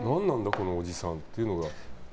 このおじさんっていうのが。